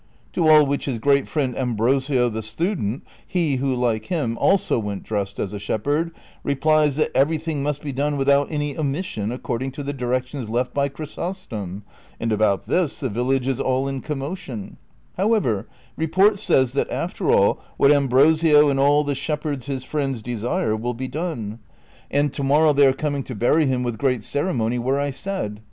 To all which his great friend Ambrosio the student, he who, like him, also went dressed as a shepherd, replies that everything must be done without any omission according to the directions left Ijy Chrysostom, and about this the village is all in commotion ; however, report says tliat, after all, what Am brosio and all the shepherds his friends desire Avill be done, and 72 DON QUIXOTE. to morrow they are coming to bury liim with great ceremony where I said.